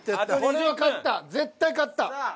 これは勝った絶対勝った。